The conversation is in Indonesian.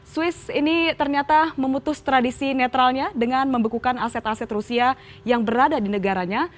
swiss ini ternyata memutus tradisi netralnya dengan membekukan aset aset rusia yang berada di negaranya